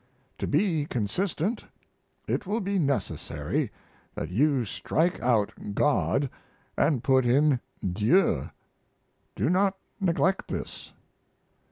To be consistent, it will be necessary that you strike out "God" & put in "Dieu." Do not neglect this.